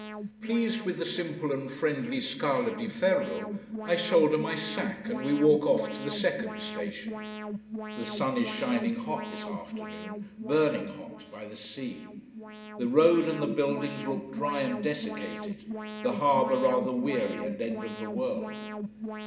Pleased with the simple and friendly Scala di Ferre, I shoulder my sack and we walk off to the second station. The sun is shining hot this afternoon burning hot, by the sea. The road and the buildings look dry and desiccated, the harbour rather weary and end of the world.